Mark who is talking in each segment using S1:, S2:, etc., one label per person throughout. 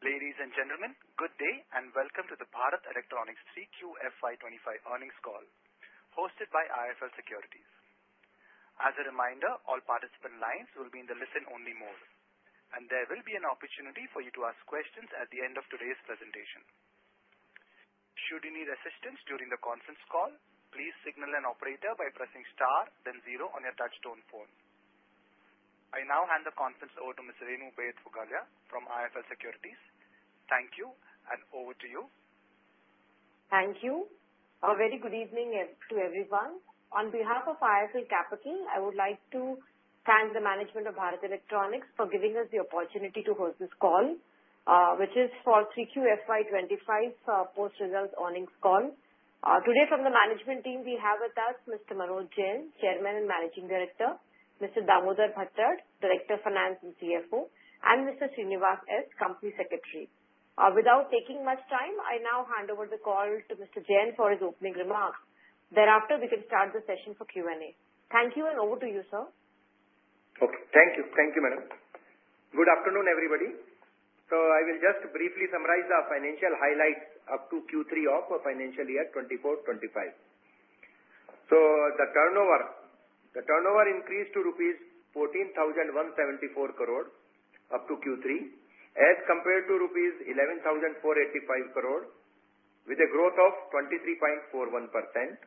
S1: Ladies and gentlemen, good day and welcome to the Bharat Electronics CQFY25 earnings call, hosted by IIFL Securities. As a reminder, all participant lines will be in the listen-only mode, and there will be an opportunity for you to ask questions at the end of today's presentation. Should you need assistance during the conference call, please signal an operator by pressing star then zero on your touch-tone phone. I now hand the conference over to Ms. Renu Baid Pugalia from IIFL Securities. Thank you, and over to you.
S2: Thank you. A very good evening to everyone. On behalf of IIFL Securities, I would like to thank the management of Bharat Electronics for giving us the opportunity to host this call, which is for CQFY25's post-result earnings call. Today, from the management team, we have with us Mr. Manoj Jain, Chairman and Managing Director, Mr. Damodar Bhattad, Director of Finance and CFO, and Mr. Srinivas S., Company Secretary. Without taking much time, I now hand over the call to Mr. Jain for his opening remarks. Thereafter, we can start the session for Q&A. Thank you, and over to you, sir.
S1: Okay. Thank you. Thank you, madam. Good afternoon, everybody, so I will just briefly summarize the financial highlights up to Q3 of financial year 2024-25. So the turnover, the turnover increased to rupees 14,174 crore up to Q3, as compared to rupees 11,485 crore, with a growth of 23.41%.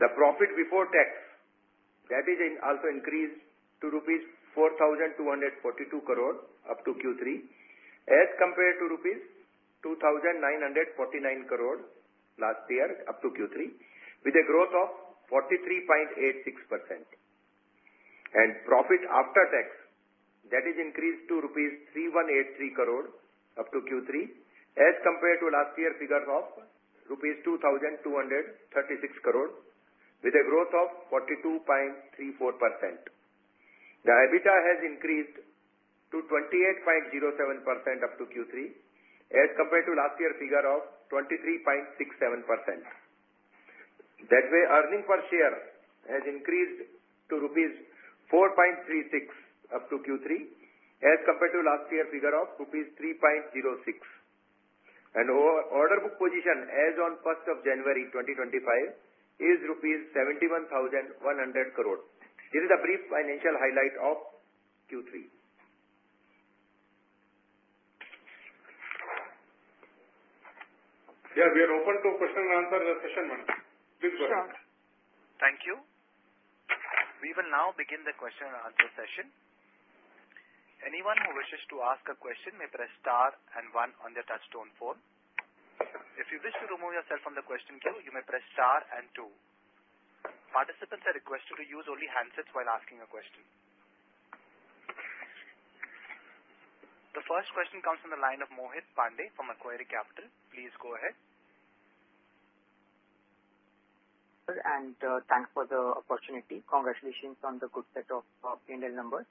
S1: The profit before tax, that is, also increased to rupees 4,242 crore up to Q3, as compared to rupees 2,949 crore last year up to Q3, with a growth of 43.86%, and profit after tax, that is, increased to rupees 3,183 crore up to Q3, as compared to last year's figure of rupees 2,236 crore, with a growth of 42.34%. The EBITDA has increased to 28.07% up to Q3, as compared to last year's figure of 23.67%. That way, earnings per share has increased to rupees 4.36 up to Q3, as compared to last year's figure of rupees 3.06. Order book position, as of 1st of January 2025, is Rs 71,100 crore. This is a brief financial highlight of Q3. Yeah, we are open to question and answer session, madam. Please go ahead.
S3: Sure. Thank you. We will now begin the question and answer session. Anyone who wishes to ask a question may press star and one on their touch-tone phone. If you wish to remove yourself from the question queue, you may press star and two. Participants are requested to use only handsets while asking a question. The first question comes from the line of Mohit Pandey from Macquarie Capital. Please go ahead.
S4: Thanks for the opportunity. Congratulations on the good set of P&L numbers.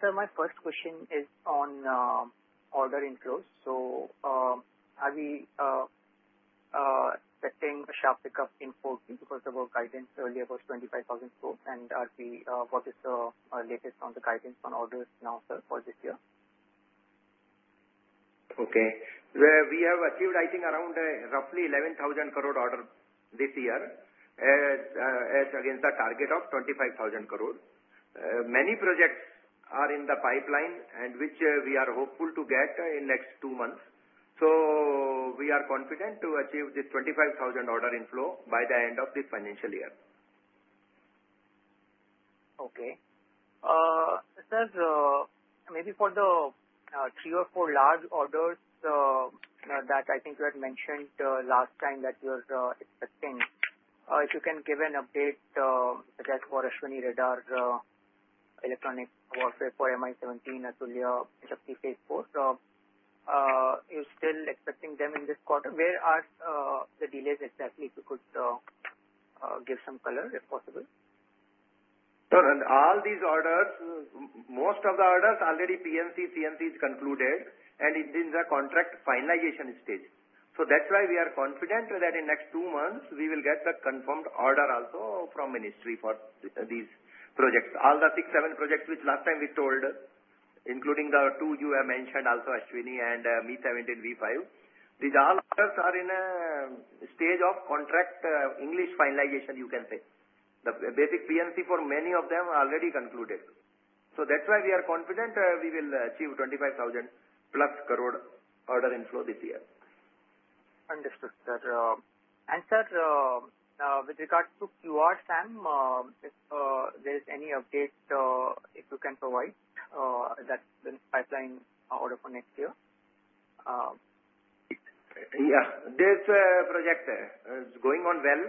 S4: Sir, my first question is on order inflows. So, are we expecting a sharp pickup in 14 because our guidance earlier was 25,000 crore? And what is the latest on the guidance on orders now, sir, for this year?
S1: Okay. We have achieved, I think, around roughly 11,000 crore order this year, against the target of 25,000 crore. Many projects are in the pipeline, which we are hopeful to get in the next two months. So we are confident to achieve this 25,000 order inflow by the end of this financial year.
S4: Okay. Sir, maybe for the three or four large orders that I think you had mentioned last time that you're expecting, if you can give an update, such as for Ashwini Radar, Electronic Warfare for Mi-17, Atulya, Himshakti Phase 4, you're still expecting them in this quarter. Where are the delays exactly, if you could give some color if possible?
S1: Sir, on all these orders, most of the orders already PMC, CNCs concluded, and it is in the contract finalization stage. So that's why we are confident that in the next two months, we will get the confirmed order also from Ministry for these projects. All the six, seven projects which last time we told, including the two you have mentioned, also Ashwini and Mi-17 V5, these all orders are in a stage of contract finalization, you can say. The basic PMC for many of them already concluded. So that's why we are confident we will achieve 25,000+ crore order inflow this year.
S4: Understood. And sir, with regards to QRSAM, if there is any update you can provide that's been pipeline order for next year?
S1: Yeah. This project is going on well.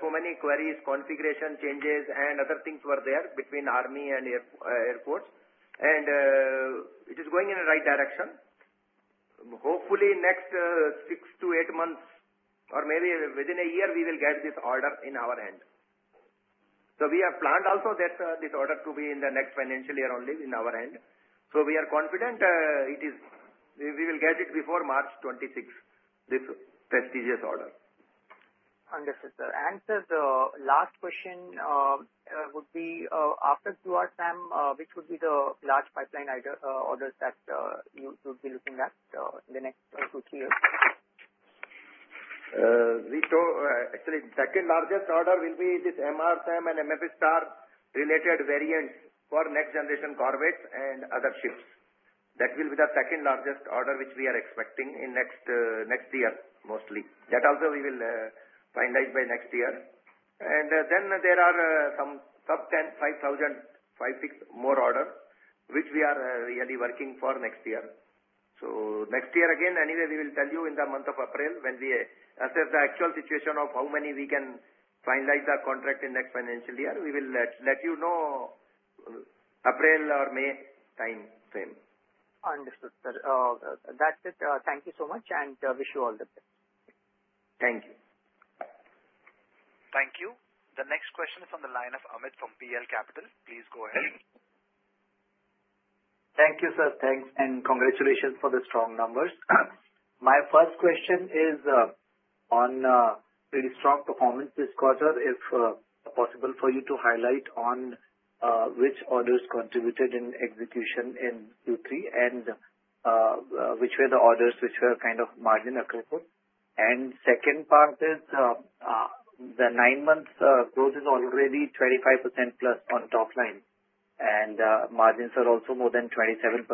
S1: So many queries, configuration changes, and other things were there between army and airports. And it is going in the right direction. Hopefully, in the next six to eight months, or maybe within a year, we will get this order in our hand. So we have planned also that this order to be in the next financial year only in our hand. So we are confident we will get it before March 2026, this prestigious order.
S4: Understood, sir. And sir, the last question would be, after QRSAM, which would be the large pipeline orders that you would be looking at in the next two to three years?
S1: Actually, the second largest order will be this MRSAM and MF-STAR related variants for next generation corvettes and other ships. That will be the second largest order which we are expecting in the next year, mostly. That also we will finalize by next year. And then there are some sub-5,000, 5, 6 more orders, which we are really working for next year. So next year, again, anyway, we will tell you in the month of April when we assess the actual situation of how many we can finalize the contract in the next financial year. We will let you know April or May time frame.
S4: Understood, sir. That's it. Thank you so much and wish you all the best.
S1: Thank you.
S3: Thank you. The next question is from the line of Amit Anwani from PL Capital. Please go ahead.
S5: Thank you, sir. Thanks. And congratulations for the strong numbers. My first question is on really strong performance this quarter. If possible for you to highlight on which orders contributed in execution in Q3 and which were the orders which were kind of margin equivalent. And second part is the nine-month growth is already 25% plus on top line, and margins are also more than 27%.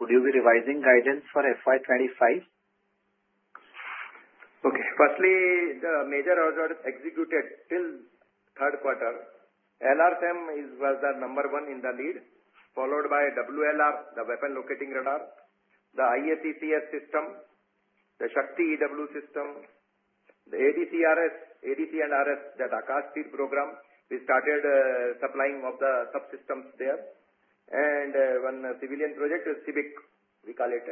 S5: Would you be revising guidance for FY25?
S1: Okay. Firstly, the major orders executed till third quarter, LRSAM was the number one in the lead, followed by WLR, the Weapon Locating Radar, the IACCS system, the Shakti EW system, the ADCRS, ADC and RS, the Akash Prime program. We started supplying of the subsystems there. And one civilian project is CBIC. We call it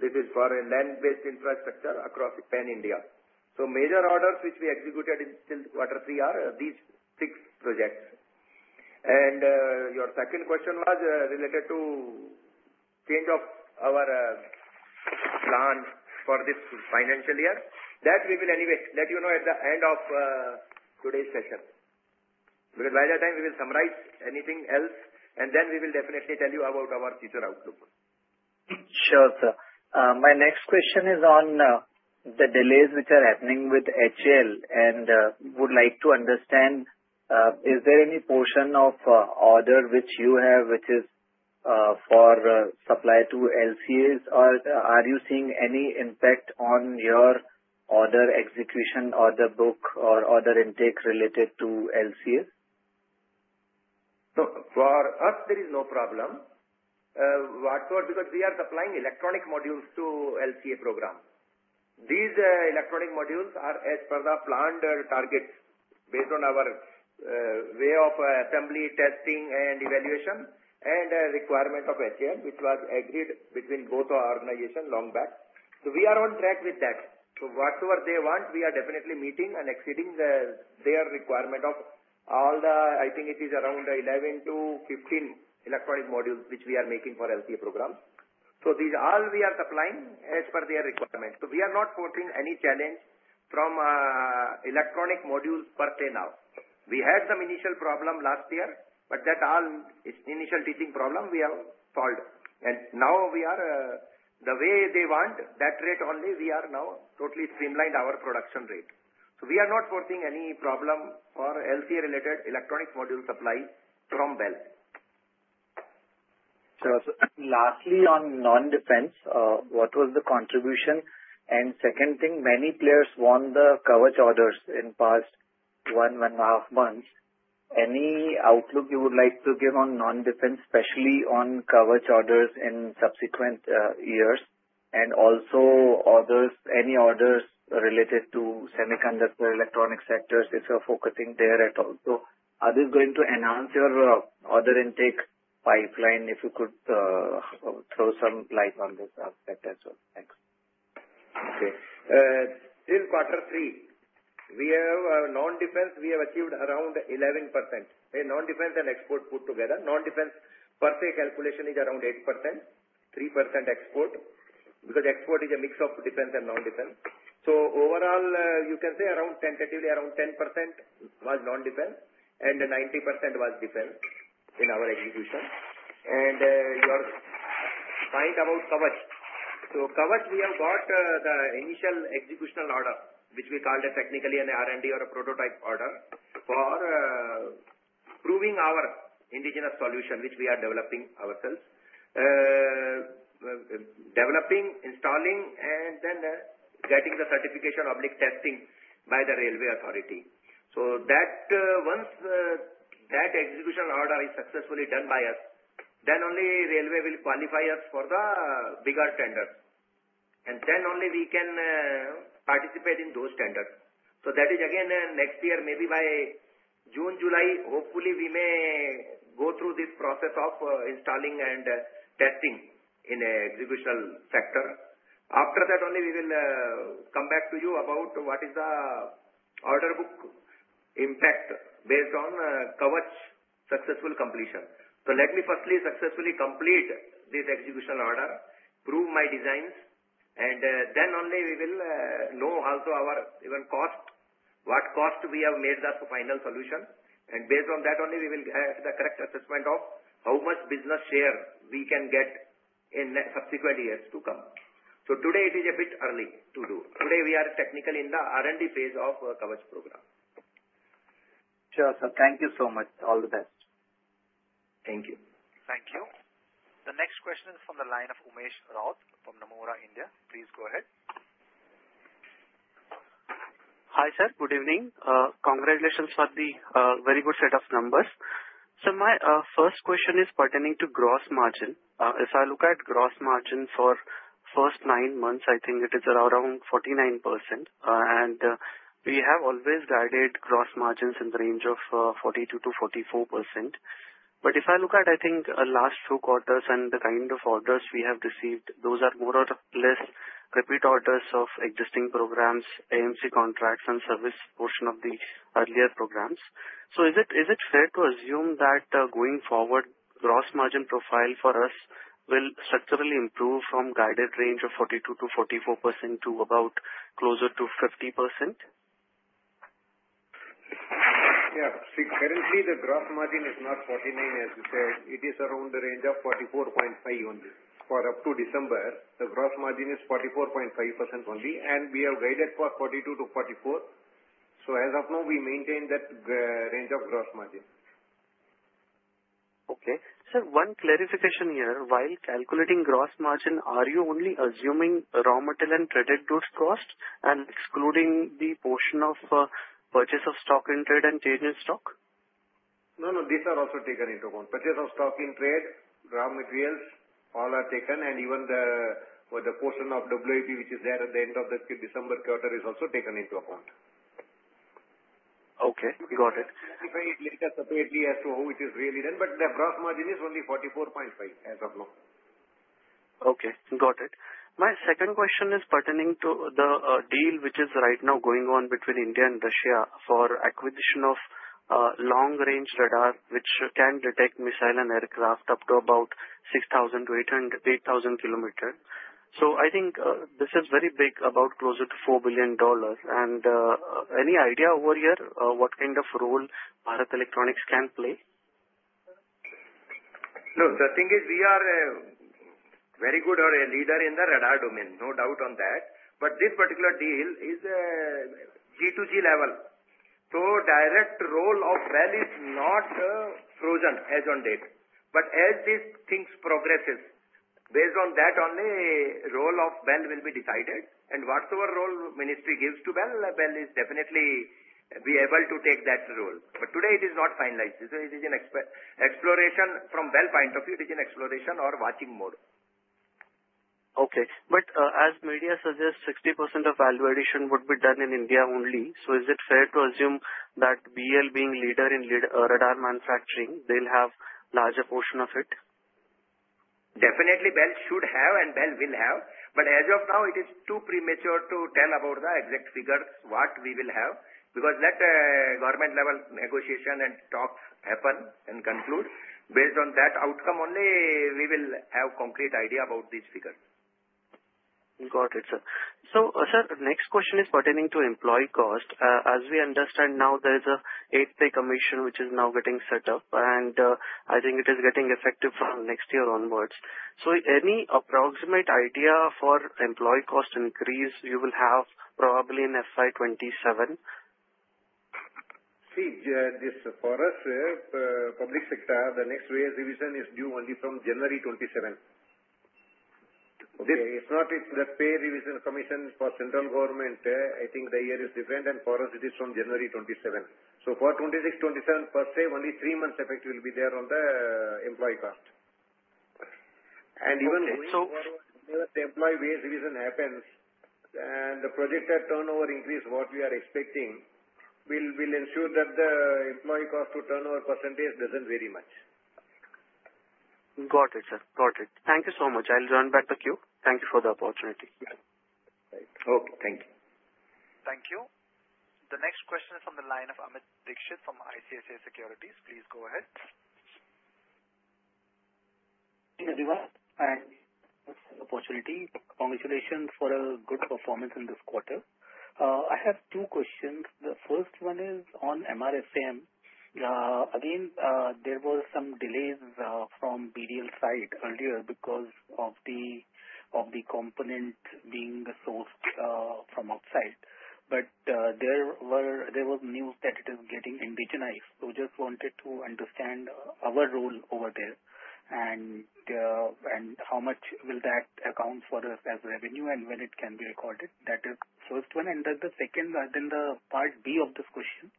S1: this is for land-based infrastructure across Pan-India. So major orders which we executed till quarter three are these six projects. Your second question was related to change of our plan for this financial year. That we will anyway let you know at the end of today's session. Because by that time, we will summarize anything else, and then we will definitely tell you about our future outlook.
S5: Sure, sir. My next question is on the delays which are happening with HAL. And would like to understand, is there any portion of order which you have which is for supply to LCAs, or are you seeing any impact on your order execution, order book, or order intake related to LCAs?
S1: For us, there is no problem. Because we are supplying electronic modules to LCA program. These electronic modules are, as per the planned targets, based on our way of assembly, testing, and evaluation, and requirement of HAL, which was agreed between both our organizations long back. So we are on track with that. So whatever they want, we are definitely meeting and exceeding their requirement of all the, I think it is around 11-15 electronic modules which we are making for LCA programs. So these are all we are supplying as per their requirement. So we are not facing any challenge from electronic modules per se now. We had some initial problem last year, but that all initial teething problem we have solved. And now we are the way they want, that rate only, we are now totally streamlined our production rate. So we are not facing any problem for LCA-related electronic module supply from BEL.
S5: Sure. Lastly, on non-defense, what was the contribution? And second thing, many players won the Kavach orders in the past one, one and a half months. Any outlook you would like to give on non-defense, especially on Kavach orders in subsequent years? And also any orders related to semiconductor electronic sectors, if you're focusing there at all? So are they going to enhance your order intake pipeline if you could throw some light on this aspect as well? Thanks.
S1: Okay. In quarter three, we have non-defense, we have achieved around 11%. Non-defense and export put together. Non-defense per se calculation is around 8%, 3% export. Because export is a mix of defense and non-defense. So overall, you can say around tentatively, around 10% was non-defense, and 90% was defense in our execution. And your point about Kavach. So Kavach, we have got the initial executional order, which we called it technically an R&D or a prototype order for proving our indigenous solution, which we are developing ourselves, developing, installing, and then getting the certification public testing by the railway authority. So once that execution order is successfully done by us, then only railway will qualify us for the bigger tenders. And then only we can participate in those tenders. So that is, again, next year, maybe by June, July, hopefully we may go through this process of installing and testing in the executional sector. After that, only we will come back to you about what is the order book impact based on Kavach successful completion. So let me firstly successfully complete this executional order, prove my designs, and then only we will know also our own cost, what cost we have made the final solution. And based on that, only we will have the correct assessment of how much business share we can get in subsequent years to come. So today, it is a bit early to do. Today, we are technically in the R&D phase of Kavach program.
S5: Sure, sir. Thank you so much. All the best.
S1: Thank you.
S3: Thank you. The next question is from the line of Umesh Raut from Nomura, India. Please go ahead.
S6: Hi sir, good evening. Congratulations for the very good set of numbers. So my first question is pertaining to gross margin. If I look at gross margin for the first nine months, I think it is around 49%. And we have always guided gross margins in the range of 42%-44%. But if I look at, I think, the last two quarters and the kind of orders we have received, those are more or less repeat orders of existing programs, AMC contracts, and service portion of the earlier programs. So is it fair to assume that going forward, gross margin profile for us will structurally improve from guided range of 42%-44% to about closer to 50%?
S1: Yeah. See, currently, the gross margin is not 49%, as you said. It is around the range of 44.5% only. For up to December, the gross margin is 44.5% only, and we have guided for 42%-44%. So as of now, we maintain that range of gross margin.
S6: Okay. Sir, one clarification here. While calculating gross margin, are you only assuming raw material and traded goods cost and excluding the portion of purchase of stock in trade and change in stock?
S1: No, no. These are also taken into account. Purchase of stock in trade, raw materials, all are taken, and even the portion of WIP, which is there at the end of the December quarter, is also taken into account.
S6: Okay. Got it.
S1: We will reveal later, separately as to how it is really done. But the gross margin is only 44.5% as of now.
S6: Okay. Got it. My second question is pertaining to the deal which is right now going on between India and Russia for acquisition of long-range radar, which can detect missile and aircraft up to about 6,000-8,000 km. So I think this is very big, about closer to $4 billion. And any idea over here what kind of role Bharat Electronics can play?
S1: No. The thing is, we are very good or a leader in the radar domain. No doubt on that. But this particular deal is G to G level. So direct role of BEL is not frozen as on date. But as these things progress, based on that only, role of BEL will be decided. And whatever role Ministry gives to BEL, BEL is definitely be able to take that role. But today, it is not finalized. So it is an exploration from BEL point of view, it is an exploration or watching mode.
S6: Okay, but as media suggests, 60% of value addition would be done in India only, so is it fair to assume that BEL being leader in radar manufacturing, they'll have a larger portion of it?
S1: Definitely, BEL should have and BEL will have. But as of now, it is too premature to tell about the exact figures, what we will have. Because let government-level negotiation and talks happen and conclude. Based on that outcome only, we will have a concrete idea about these figures.
S6: Got it, sir. So sir, next question is pertaining to employee cost. As we understand now, there is an eighth-pay commission which is now getting set up, and I think it is getting effective from next year onwards. So any approximate idea for employee cost increase you will have probably in FY27?
S1: See, for us, public sector, the next pay revision is due only from January 2027. The pay revision commission for central government, I think the year is different, and for us, it is from January 2027. So for 2026, 2027, per se, only three months effect will be there on the employee cost, and even whenever the employee wage revision happens and the projected turnover increase, what we are expecting will ensure that the employee cost to turnover % doesn't vary much.
S6: Got it, sir. Got it. Thank you so much. I'll turn it back to you. Thank you for the opportunity.
S1: Okay. Thank you.
S3: Thank you. The next question is from the line of Amit Dixit from ICICI Securities. Please go ahead.
S7: Thank you, everyone. And opportunity. Congratulations for a good performance in this quarter. I have two questions. The first one is on MRSAM. Again, there were some delays from BDL side earlier because of the component being sourced from outside. But there was news that it is getting indigenized. So just wanted to understand our role over there and how much will that account for us as revenue and when it can be recorded. That is the first one. And then the second, then the part B of this question,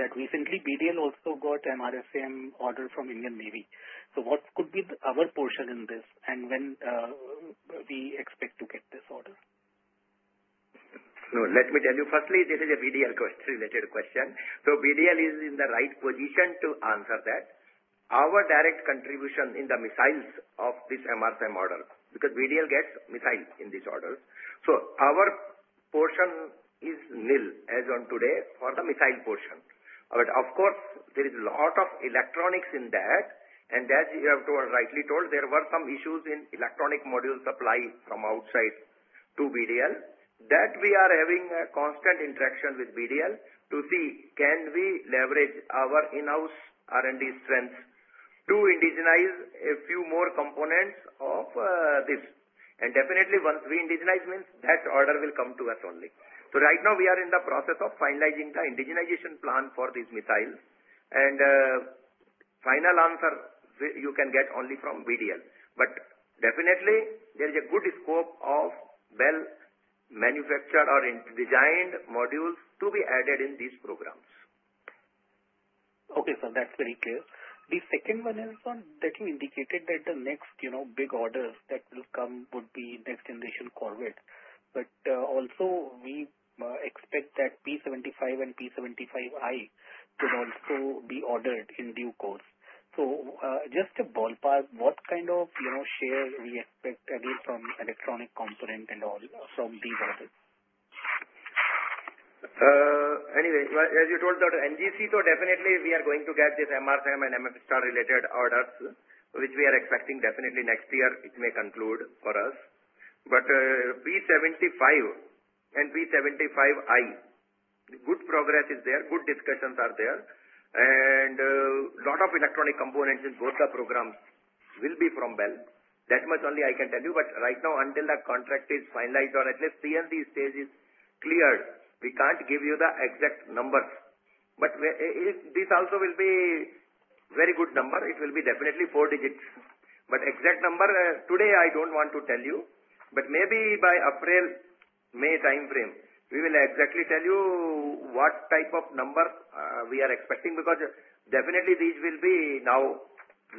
S7: that recently BDL also got MRSAM order from Indian Navy. So what could be our portion in this and when we expect to get this order?
S1: Let me tell you. Firstly, this is a BDL-related question. So BDL is in the right position to answer that. Our direct contribution in the missiles of this MRSAM order, because BDL gets missiles in these orders. So our portion is nil as on today for the missile portion. But of course, there is a lot of electronics in that. And as you have rightly told, there were some issues in electronic module supply from outside to BDL. That, we are having a constant interaction with BDL to see can we leverage our in-house R&D strength to indigenize a few more components of this. And definitely, once we indigenize means, that order will come to us only. So right now, we are in the process of finalizing the indigenization plan for these missiles. And final answer, you can get only from BDL. But definitely, there is a good scope of well-manufactured or designed modules to be added in these programs.
S7: Okay, sir. That's very clear. The second one is on, that you indicated that the next big order that will come would be next-generation Corvette. But also, we expect that P75 and P75i could also be ordered in due course. So just to ballpark, what kind of share we expect again from electronic component and all from these orders?
S1: Anyway, as you told, NGC, so definitely we are going to get this MRSAM and MF-STAR-related orders, which we are expecting definitely next year, it may conclude for us, but P75 and P75i, good progress is there, good discussions are there, and a lot of electronic components in both the programs will be from BEL. That much only I can tell you. But right now, until that contract is finalized or at least CNC stage is cleared, we can't give you the exact numbers. But this also will be a very good number. It will be definitely four digits. But exact number, today, I don't want to tell you. But maybe by April, May timeframe, we will exactly tell you what type of number we are expecting. Because definitely, these will be now,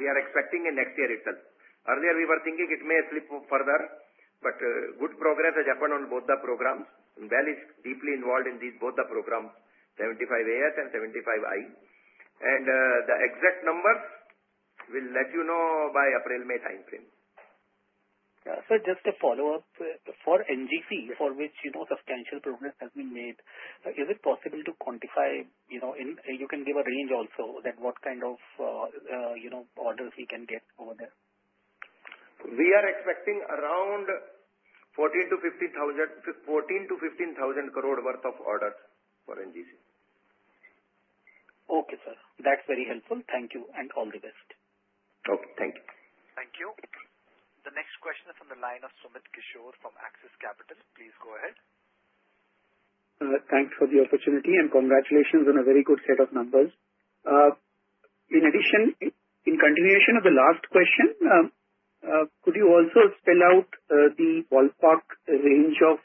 S1: we are expecting in next year itself. Earlier, we were thinking it may slip further. Good progress has happened on both the programs. BEL is deeply involved in both the programs, P75 and P75I. The exact numbers will let you know by April-May timeframe.
S7: Sir, just a follow-up. For NGC, for which substantial progress has been made, is it possible to quantify? You can give a range also that what kind of orders we can get over there?
S1: We are expecting around 14,000-15,000 crore worth of orders for NGC.
S7: Okay, sir. That's very helpful. Thank you and all the best.
S1: Okay. Thank you.
S3: Thank you. The next question is from the line of Sumit Kishore from Axis Capital. Please go ahead.
S8: Thanks for the opportunity and congratulations on a very good set of numbers. In addition, in continuation of the last question, could you also spell out the ballpark range of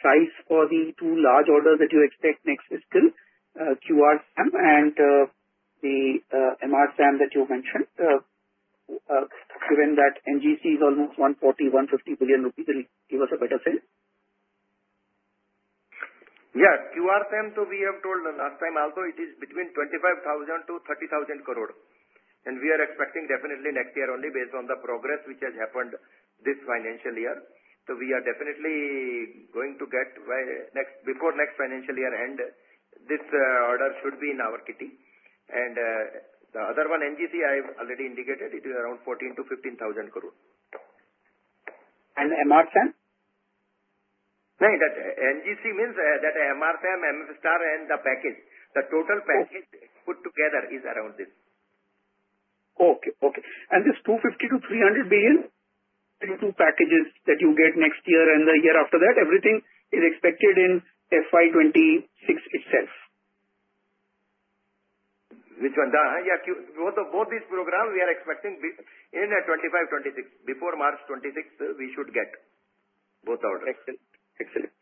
S8: size for the two large orders that you expect next fiscal, QRSAM and the MRSAM that you mentioned, given that NGC is almost 140-150 billion rupees, give us a better sense?
S1: Yeah. QRSAM, so we have told last time, although it is between 25,000-30,000 crore. And we are expecting definitely next year only based on the progress which has happened this financial year. So we are definitely going to get before next financial year end, this order should be in our kitty. And the other one, NGC, I've already indicated, it is around 14,000-15,000 crore.
S8: And MRSM?
S1: NGC means that MRSAM, MF-STAR, and the package. The total package put together is around this.
S8: Okay. This 250-300 billion into packages that you get next year and the year after that, everything is expected in FY26 itself?
S1: Which one? Yeah. Both these programs, we are expecting in 2025, 2026. Before March 2026, we should get both orders.
S8: Excellent. Excellent.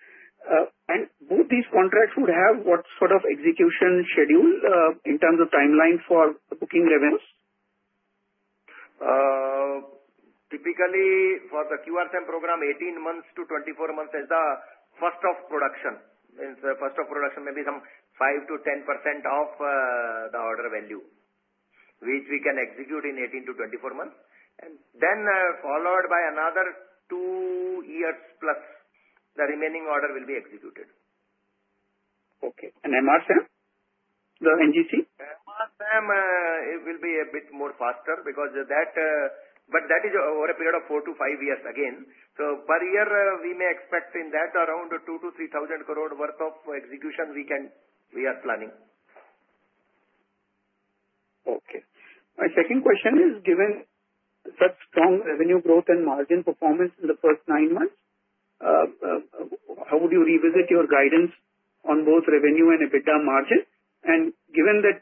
S8: And both these contracts would have what sort of execution schedule in terms of timeline for booking revenues?
S1: Typically, for the QRSAM program, 18-24 months as the first of production. First of production may be some 5%-10% of the order value, which we can execute in 18-24 months. Then followed by another two years plus, the remaining order will be executed.
S8: Okay. And MRSAM? The NGC?
S1: MRSAM, it will be a bit more faster because that but that is over a period of four to five years again. So per year, we may expect in that around 2,000-3,000 crore worth of execution we are planning.
S8: Okay. My second question is, given such strong revenue growth and margin performance in the first nine months, how would you revisit your guidance on both revenue and EBITDA margin? And given that,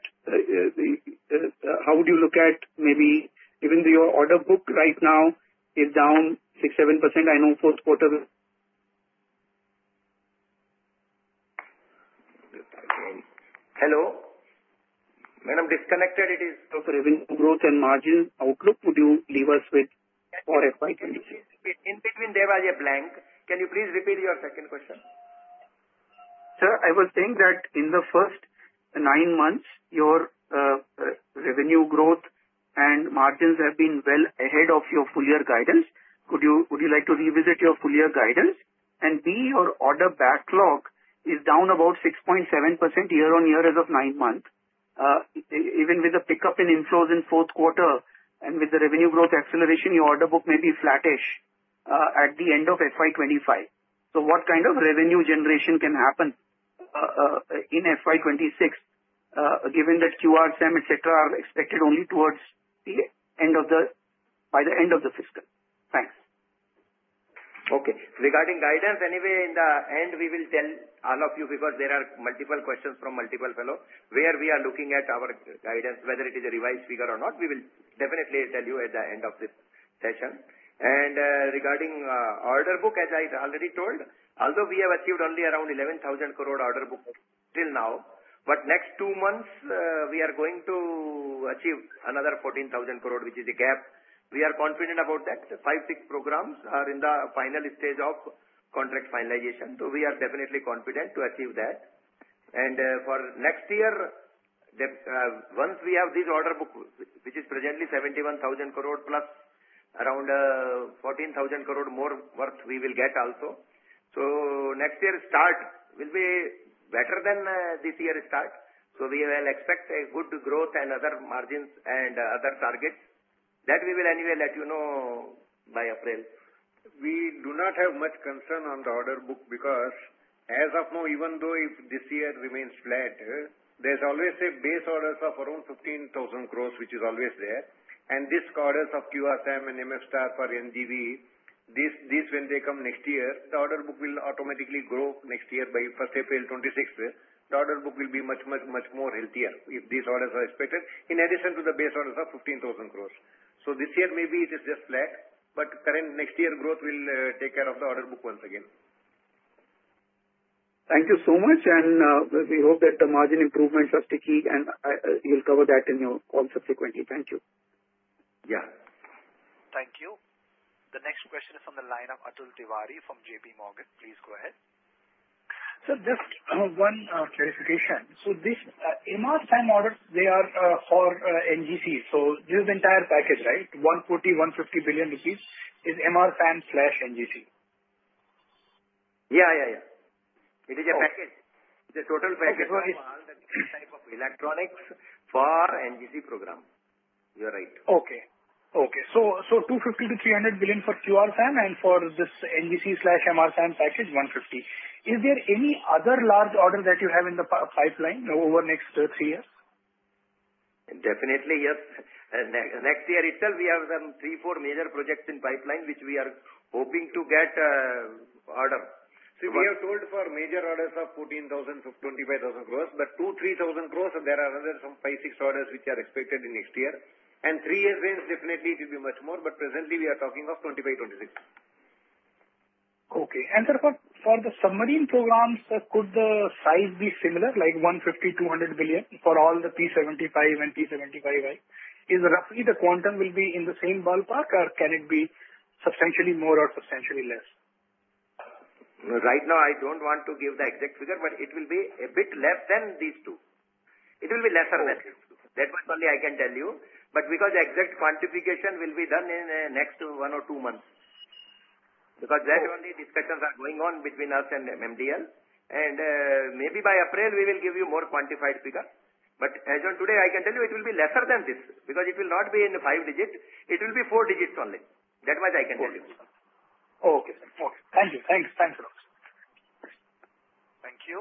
S8: how would you look at maybe given your order book right now is down 6%-7%? I know fourth quarter will.
S1: Hello? Madam disconnected. It is.
S8: Of revenue growth and margin outlook, would you leave us with for FY26?
S1: In between there was a blank. Can you please repeat your second question?
S8: Sir, I was saying that in the first nine months, your revenue growth and margins have been well ahead of your full year guidance. Would you like to revisit your full year guidance? And B, your order backlog is down about 6.7% year on year as of nine months. Even with the pickup in inflows in fourth quarter and with the revenue growth acceleration, your order book may be flattish at the end of FY25. So what kind of revenue generation can happen in FY26, given that QRSAM, etc., are expected only towards the end, by the end of the fiscal? Thanks.
S1: Okay. Regarding guidance, anyway, in the end, we will tell all of you because there are multiple questions from multiple fellows, where we are looking at our guidance, whether it is a revised figure or not, we will definitely tell you at the end of this session. And regarding order book, as I already told, although we have achieved only around 11,000 crore order book till now, but next two months, we are going to achieve another 14,000 crore, which is a gap. We are confident about that. Five, six programs are in the final stage of contract finalization. So we are definitely confident to achieve that. And for next year, once we have this order book, which is presently 71,000 crore plus around 14,000 crore more worth we will get also. So next year's start will be better than this year's start. We will expect a good growth and other margins and other targets. That we will anyway let you know by April. We do not have much concern on the order book because, as of now, even though this year remains flat, there's always a base orders of around 15,000 crore, which is always there. These orders of QRSAM and MF-STAR for NGC, this when they come next year, the order book will automatically grow next year by April 2026. The order book will be much, much, much more healthier if these orders are expected, in addition to the base orders of 15,000 crore. This year, maybe it is just flat, but next year growth will take care of the order book once again.
S8: Thank you so much. And we hope that the margin improvements are sticky, and you'll cover that in your call subsequently. Thank you.
S1: Yeah.
S3: Thank you. The next question is from the line of Atul Tiwari from JPMorgan. Please go ahead.
S9: Sir, just one clarification. So these MRSAM orders, they are for NGC. So this is the entire package, right? 140-150 billion rupees is MRSAM/NGC.
S1: Yeah, yeah, yeah. It is a package. It's a total package.
S9: It involves that type of electronics for NGC program. You're right. Okay. Okay. So 250-300 billion for QRSAM and for this NGC/MRSAM package, 150. Is there any other large order that you have in the pipeline over next three years?
S1: Definitely, yes. Next year itself, we have some three, four major projects in pipeline, which we are hoping to get order, so we have told for major orders of 14,000-25,000 crore, but 2,000-3,000 crore, there are another some five, six orders which are expected in next year, and three years range, definitely, it will be much more, but presently, we are talking of 25-26.
S9: Okay. And sir, for the submarine programs, could the size be similar, like 150 billion-200 billion for all the P75 and P75i? Is roughly the quantum will be in the same ballpark, or can it be substantially more or substantially less?
S1: Right now, I don't want to give the exact figure, but it will be a bit less than these two. It will be less than these two. That much only I can tell you, but because the exact quantification will be done in the next one or two months, because that only discussions are going on between us and MDL, and maybe by April, we will give you more quantified figure, but as of today, I can tell you it will be lesser than this because it will not be in the five digits. It will be four digits only. That much I can tell you.
S9: Okay. Okay. Thank you. Thanks. Thanks, sir.
S3: Thank you.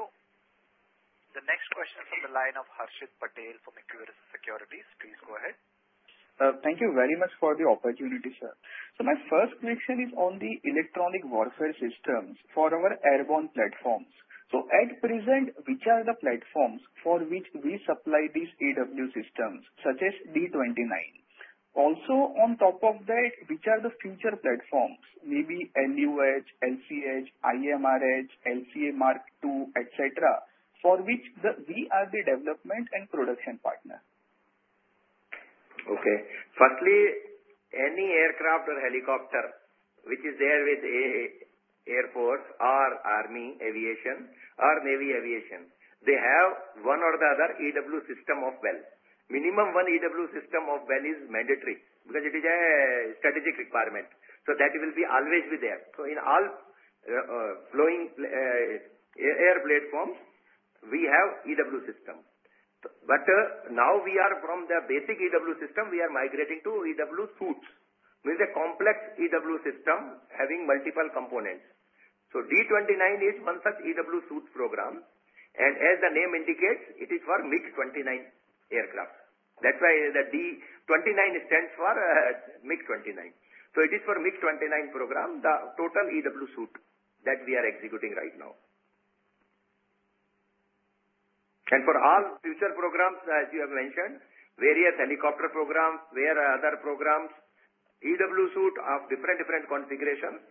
S3: The next question is from the line of Harshit Patel from Equirus Securities. Please go ahead.
S10: Thank you very much for the opportunity, sir. So my first question is on the electronic warfare systems for our airborne platforms. So at present, which are the platforms for which we supply these EW systems, such as D29? Also, on top of that, which are the future platforms, maybe LUH, LCH, IMRH, LCA Mark II, etc., for which we are the development and production partner?
S1: Okay. Firstly, any aircraft or helicopter which is there with Air Force or Army Aviation or Navy Aviation, they have one or the other EW system of BEL. Minimum one EW system of BEL is mandatory because it is a strategic requirement. So that will always be there, so in all flying air platforms, we have EW system. But now, from the basic EW system, we are migrating to EW suites, meaning a complex EW system having multiple components. So D29 is one such EW suite program. And as the name indicates, it is for MiG-29 aircraft. That's why the D29 stands for MiG-29. So it is for MiG-29 program, the total EW suite that we are executing right now. And for all future programs, as you have mentioned, various helicopter programs, where other programs, EW suite of different configurations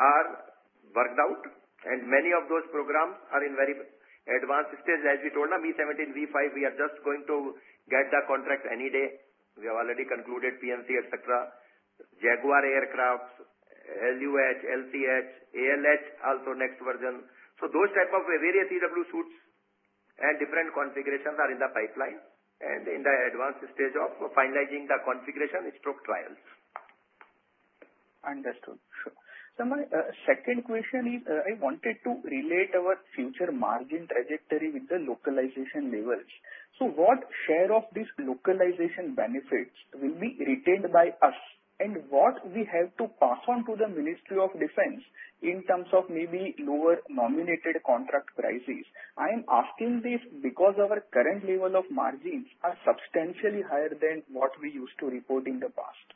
S1: are worked out. Many of those programs are in very advanced stage. As we told, Mi-17V5, MiG-29, we are just going to get the contract any day. We have already concluded PMC, etc. Jaguar aircraft, LUH, LCH, ALH, also next version. So those type of various EW suits and different configurations are in the pipeline and in the advanced stage of finalizing the configuration or trials.
S10: Understood. Sure. Sir, my second question is, I wanted to relate our future margin trajectory with the localization levels. So what share of these localization benefits will be retained by us, and what we have to pass on to the Ministry of Defence in terms of maybe lower nominated contract prices? I am asking this because our current level of margins are substantially higher than what we used to report in the past.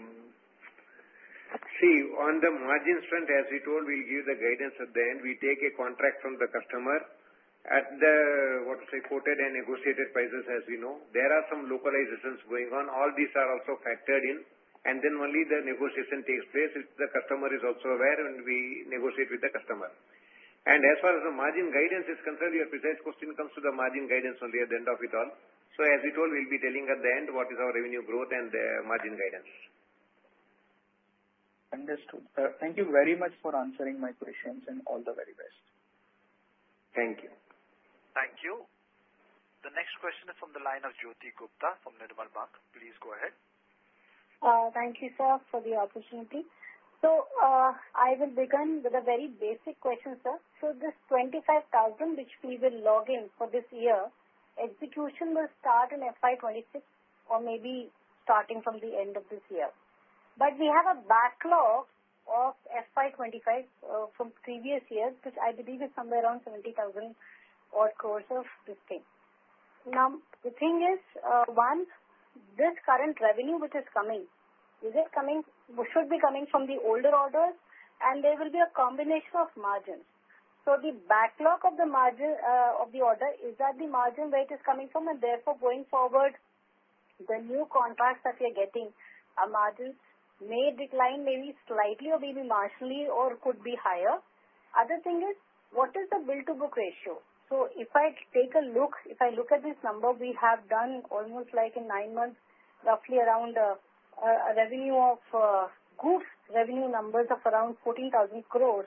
S1: See, on the margins front, as we told, we'll give the guidance at the end. We take a contract from the customer at the quoted and negotiated prices, as we know. There are some localizations going on. All these are also factored in, and then only the negotiation takes place if the customer is also aware and we negotiate with the customer, and as far as the margin guidance is concerned, your precise question comes to the margin guidance only at the end of it all, so as we told, we'll be telling at the end what is our revenue growth and margin guidance.
S10: Understood. Thank you very much for answering my questions, and all the very best.
S1: Thank you.
S3: Thank you. The next question is from the line of Jyoti Gupta from Nirmal Bang. Please go ahead.
S11: Thank you, sir, for the opportunity. So I will begin with a very basic question, sir. So this 25,000, which we will log in for this year, execution will start in FY26 or maybe starting from the end of this year. But we have a backlog of FY25 from previous years, which I believe is somewhere around 70,000 crores of this thing. Now, the thing is, one, this current revenue which is coming, is it coming should be coming from the older orders, and there will be a combination of margins. So the backlog of the margin of the order is that the margin rate is coming from, and therefore, going forward, the new contracts that we are getting, our margins may decline maybe slightly or maybe marginally or could be higher. Other thing is, what is the bill-to-book ratio? So if I take a look, if I look at this number, we have done almost like in nine months, roughly around a revenue of good revenue numbers of around 14,000 crore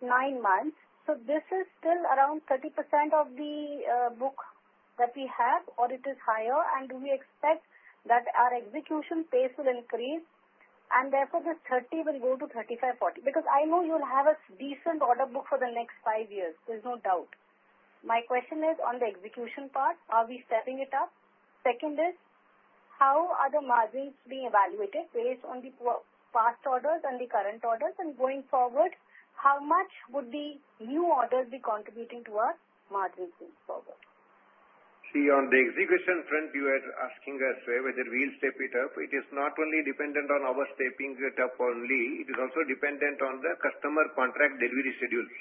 S11: nine months. So this is still around 30% of the book that we have, or it is higher? And do we expect that our execution pace will increase? And therefore, this 30 will go to 35%-40%? Because I know you'll have a decent order book for the next five years. There's no doubt. My question is, on the execution part, are we stepping it up? Second is, how are the margins being evaluated based on the past orders and the current orders? And going forward, how much would the new orders be contributing to our margins going forward?
S1: See, on the execution front, you are asking us whether we'll step it up. It is not only dependent on our stepping it up only. It is also dependent on the customer contract delivery schedules.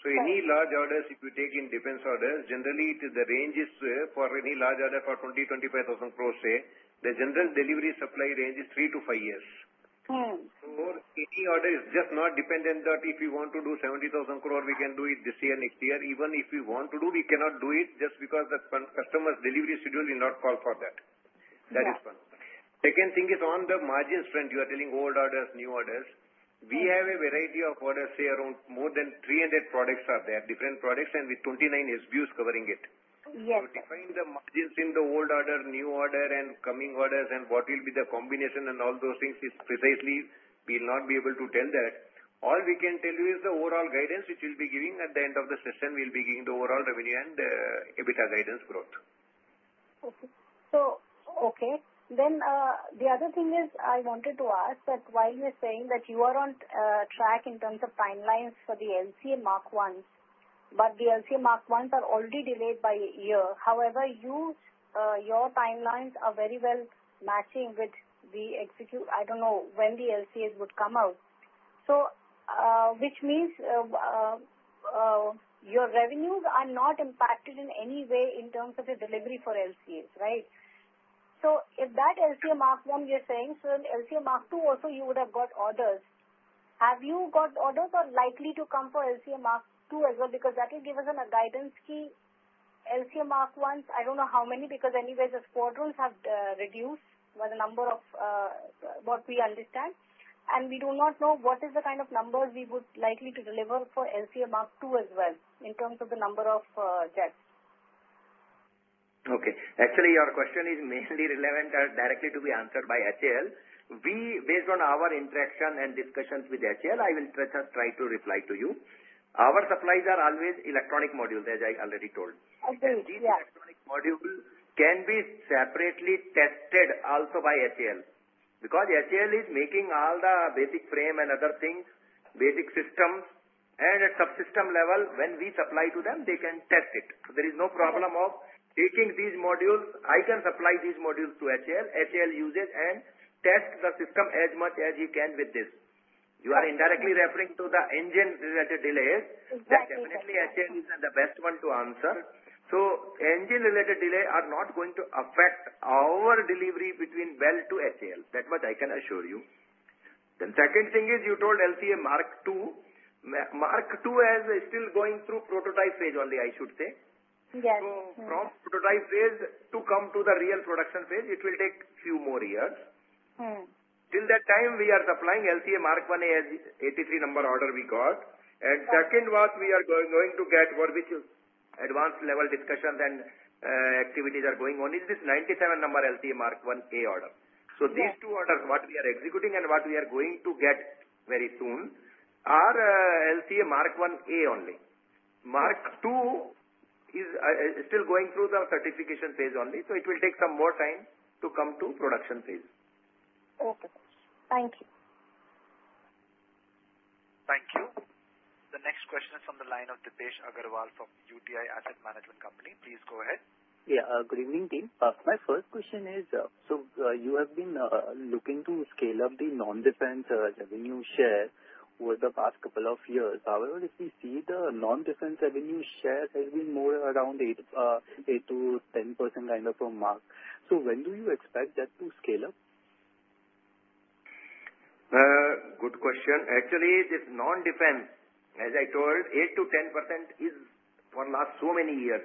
S1: So any large orders, if you take in defense orders, generally, the range is for any large order for 20,000-25,000 crore, the general delivery supply range is three to five years. So any order is just not dependent that if we want to do 70,000 crore, we can do it this year and next year. Even if we want to do, we cannot do it just because the customer's delivery schedule will not call for that. That is one. Second thing is, on the margins front, you are telling old orders, new orders. We have a variety of orders, say, around more than 300 products are there, different products, and with 29 SBUs covering it.
S11: Yes.
S1: So define the margins in the old order, new order, and coming orders, and what will be the combination and all those things. It's precisely we'll not be able to tell that. All we can tell you is the overall guidance which we'll be giving at the end of the session. We'll be giving the overall revenue and EBITDA guidance growth.
S11: Okay. So, okay. Then the other thing is, I wanted to ask that while you're saying that you are on track in terms of timelines for the LCA Mark Is, but the LCA Mark I are already delayed by a year. However, your timelines are very well matching with the execution, I don't know, when the LCAs would come out. So which means your revenues are not impacted in any way in terms of the delivery for LCAs, right? So if that LCA Mark I you're saying, so LCA Mark II also, you would have got orders. Have you got orders or likely to come for LCA Mark II as well? Because that will give us a guidance key. LCA Mark Is, I don't know how many because anyways, the squadrons have reduced by the number of what we understand. We do not know what is the kind of numbers we would likely to deliver for LCA Mark II as well in terms of the number of jets.
S1: Okay. Actually, your question is mainly relevant and directly to be answered by HAL. Based on our interaction and discussions with HAL, I will just try to reply to you. Our supplies are always electronic modules, as I already told. These electronic modules can be separately tested also by HAL because HAL is making all the basic frame and other things, basic systems, and at subsystem level, when we supply to them, they can test it. So there is no problem of taking these modules. I can supply these modules to HAL. HAL uses and tests the system as much as he can with this. You are indirectly referring to the engine-related delays.
S11: Exactly.
S1: That definitely HAL is the best one to answer. Engine-related delays are not going to affect our delivery between BEL to HAL. That much I can assure you. Then second thing is, you told LCA Mark II. Mark II is still going through prototype phase only, I should say.
S11: Yes.
S1: So from prototype phase to come to the real production phase, it will take a few more years. Till that time, we are supplying LCA Mark I as 83 number order we got. And second, what we are going to get, which advanced level discussions and activities are going on, is this 97 number LCA Mark I A order. So these two orders, what we are executing and what we are going to get very soon are LCA Mark I A only. Mark II is still going through the certification phase only. So it will take some more time to come to production phase.
S11: Okay. Thank you.
S3: Thank you. The next question is from the line of Dipesh Agarwal from UTI Asset Management Company. Please go ahead.
S12: Yeah. Good evening, team. My first question is, so you have been looking to scale up the non-defense revenue share over the past couple of years. However, if we see the non-defense revenue share has been more around 8%-10% kind of a mark. So when do you expect that to scale up?
S1: Good question. Actually, this non-defense, as I told, 8%-10% is for last so many years.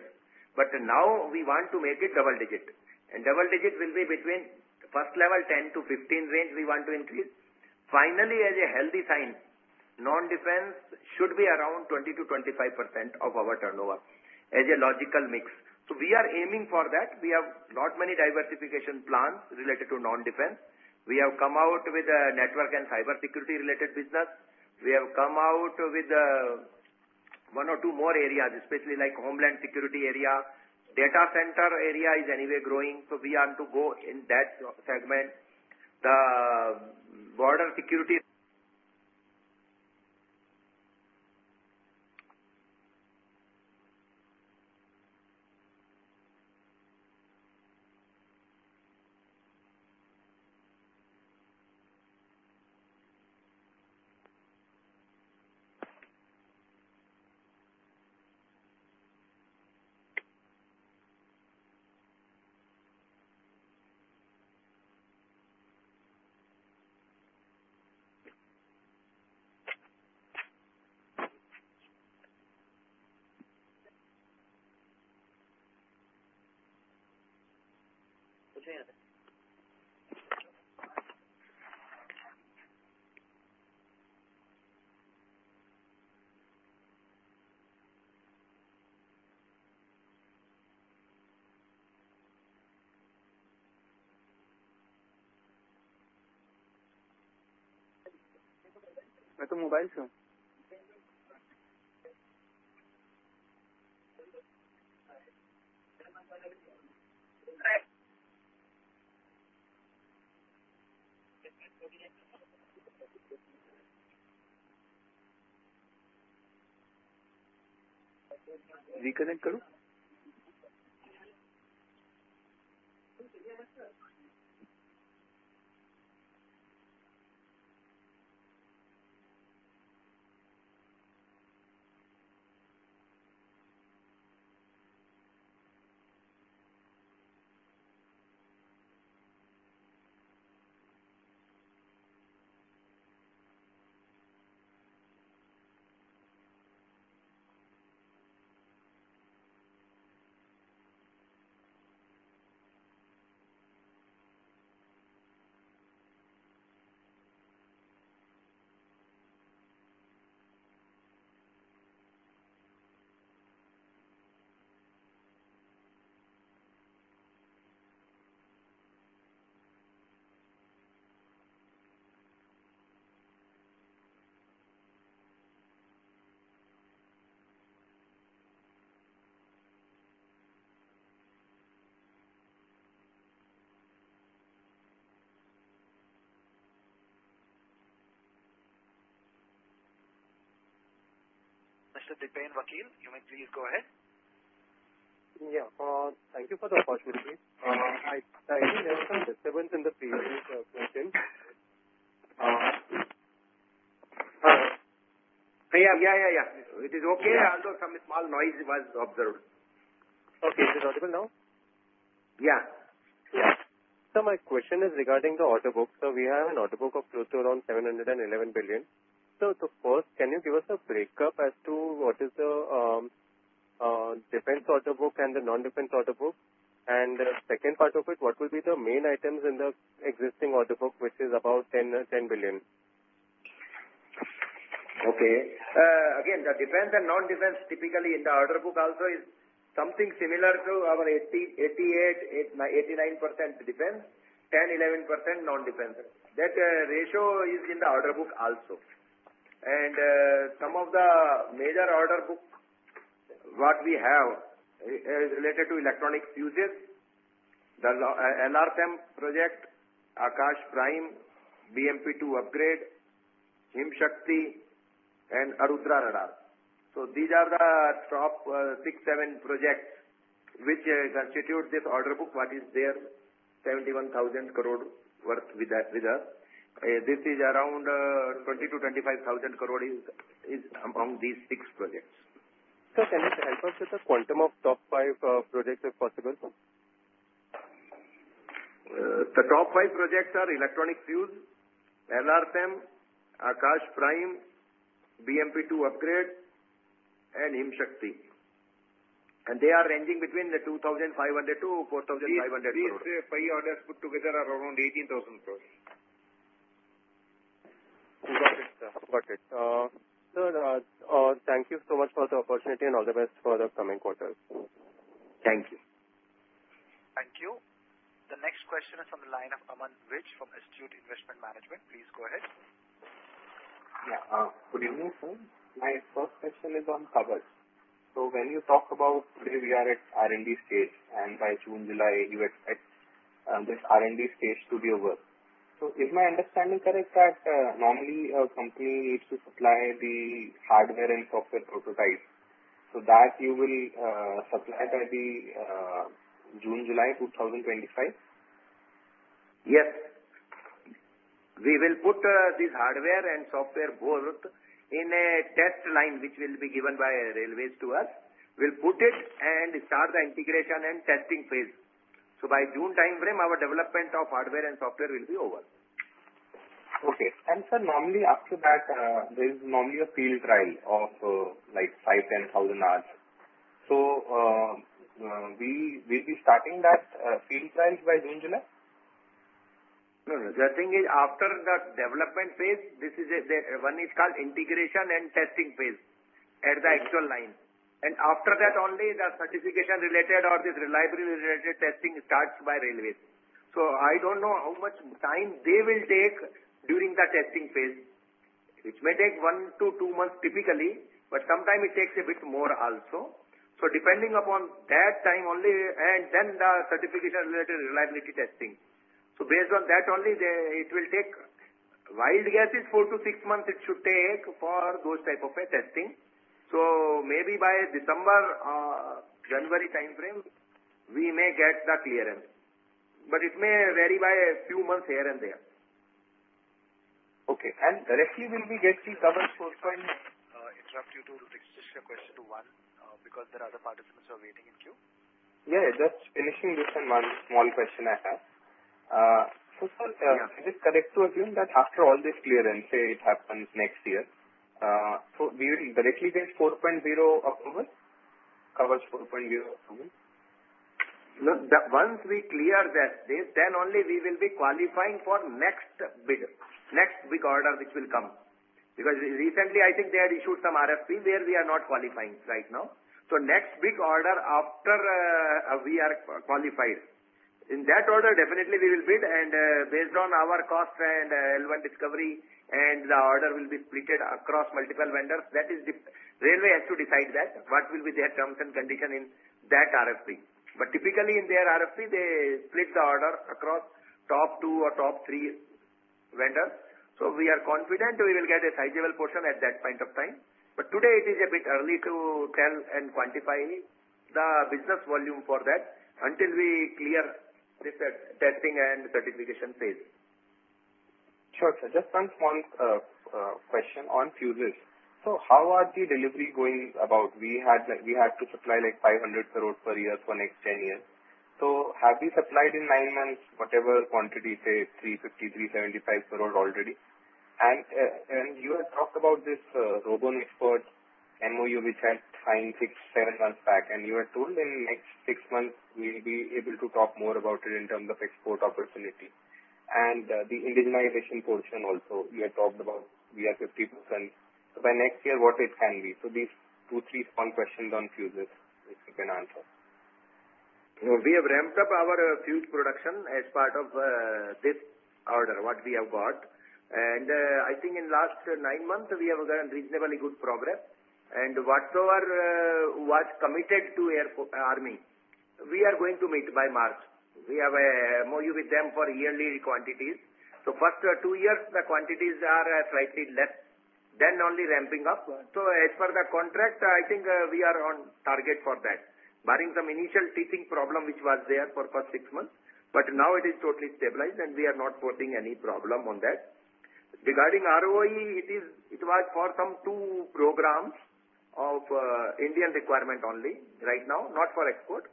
S1: But now we want to make it double digit. And double digit will be between first level 10%-15% range we want to increase. Finally, as a healthy sign, non-defense should be around 20%-25% of our turnover as a logical mix. So we are aiming for that. We have not many diversification plans related to non-defense. We have come out with a network and cybersecurity-related business. We have come out with one or two more areas, especially like homeland security area. Data center area is anyway growing. So we are to go in that segment. The border security. Next, Mr. Dipen Vakil, you may please go ahead.
S12: Yeah. Thank you for the opportunity. I think there was some disturbance in the previous question.
S1: Yeah, yeah, yeah. It is okay. Although some small noise was observed.
S12: Okay. Is it audible now?
S1: Yeah.
S12: Yeah, so my question is regarding the order book. So we have an order book of close to around 711 billion. So first, can you give us a breakup as to what is the defense order book and the non-defense order book? And the second part of it, what will be the main items in the existing order book, which is about 10 billion?
S1: Okay. Again, the defense and non-defense typically in the order book also is something similar to our 88%-89% defense, 10%-11% non-defense. That ratio is in the order book also. And some of the major order book what we have is related to electronic zuzes, the LRSAM project, Akash Prime, BMP-2 upgrade, Himshakti, and Arudra radar. So these are the top six, seven projects which constitute this order book what is their 71,000 crore worth with us. This is around 20,000-25,000 crore among these six projects.
S12: So can you help us with the quantum of top five projects if possible?
S1: The top five projects are electronic Fuze, LRSAM, Akash Prime, BMP-2 upgrade, and Himshakti. And they are ranging between 2,500 crore-4,500 crore. These five orders put together are around 18,000 crore. Got it. Got it. Sir, thank you so much for the opportunity and all the best for the coming quarters. Thank you.
S3: Thank you. The next question is from the line of Aman Vij from Astute Investment Management. Please go ahead.
S13: Yeah. Good evening, sir. My first question is on Coverage. So when you talk about today, we are at R&D stage, and by June, July, you expect this R&D stage to be over. So is my understanding correct that normally a company needs to supply the hardware and software prototypes so that you will supply by the June, July 2025?
S1: Yes. We will put this hardware and software both in a test line which will be given by railways to us. We'll put it and start the integration and testing phase. So by June time frame, our development of hardware and software will be over.
S13: Okay. And, sir, normally after that, there is normally a field trial of like 5,000, 10,000 hours. So will we be starting that field trial by June, July?
S1: No, no. The thing is, after the development phase, this one is called integration and testing phase at the actual line. And after that only, the certification-related or this reliability-related testing starts by railways. So I don't know how much time they will take during the testing phase, which may take one to two months typically, but sometimes it takes a bit more also. So depending upon that time only, and then the certification-related reliability testing. So based on that only, it will take. Wild guess is four to six months it should take for those type of testing. So maybe by December, January time frame, we may get the clearance. But it may vary by a few months here and there.
S13: Okay. And directly will we get the Kavach 4.0?
S3: Interrupt you to just a question to one, because there are other participants who are waiting in queue.
S13: Yeah. Just finishing this one small question I have. So sir, is it correct to assume that after all this clearance, say it happens next year, so we will directly get 4.0 order? Kavach 4.0 order?
S1: Once we clear that, then only we will be qualifying for next big order which will come, because recently, I think they had issued some RFP where we are not qualifying right now. So next big order after we are qualified. In that order, definitely we will bid, and based on our cost and L1 discovery, the order will be split across multiple vendors. That is, railway has to decide that what will be their terms and conditions in that RFP. But typically in their RFP, they split the order across top two or top three vendors. So we are confident we will get a sizable portion at that point of time. But today, it is a bit early to tell and quantify the business volume for that until we clear this testing and certification phase.
S13: Sure, sir. Just one question on fuses. So how was the delivery going about? We had to supply like 500 crore per year for the next 10 years. So have we supplied in nine months whatever quantity, say 350, 375 crore already? And you had talked about this Rosoboronexport MOU which had signed six, seven months back. And you had told in the next six months we'll be able to talk more about it in terms of export opportunity. And the indigenization portion also, you had talked about we are 50%. So by next year, what it can be? So these two, three small questions on fuses if you can answer.
S1: We have ramped up our fuse production as part of this order what we have got, and I think in the last nine months, we have gotten reasonably good progress, and whatsoever was committed to the army, we are going to meet by March. We have an MOU with them for yearly quantities, so for two years, the quantities are slightly less, then only ramping up, so as per the contract, I think we are on target for that, barring some initial teething problem which was there for the first six months, but now it is totally stabilized, and we are not posing any problem on that. Regarding ROE, it was for some two programs of Indian requirement only right now, not for export,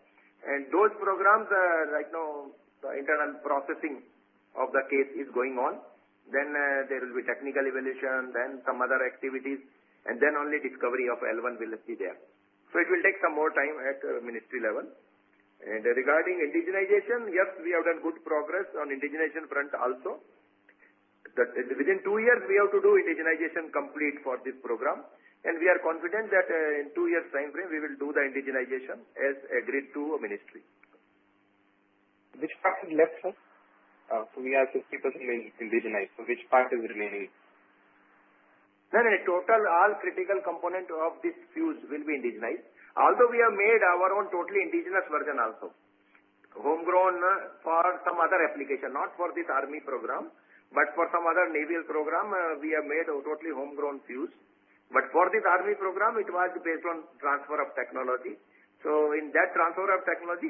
S1: and those programs right now, the internal processing of the case is going on. Then there will be technical evaluation, then some other activities, and then only discovery of L1 will be there. So it will take some more time at the ministry level. And regarding indigenization, yes, we have done good progress on indigenization front also. Within two years, we have to do indigenization complete for this program. And we are confident that in two years' time frame, we will do the indigenization as agreed to ministry.
S13: Which part is left, sir? So we have 50% indigenized. So which part is remaining?
S1: No, no. Totally all critical components of this fuse will be indigenized. Although we have made our own totally indigenous version also, homegrown for some other application, not for this army program, but for some other naval program, we have made totally homegrown fuse. But for this army program, it was based on transfer of technology. So in that transfer of technology,